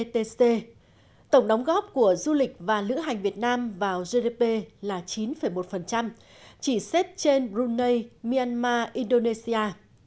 tổng đóng góp của du lịch và lữ hành việt nam vào gdp là chín một chỉ xếp trên brunei myanmar indonesia